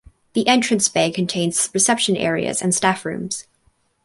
The entrance bay contains reception areas and staff rooms.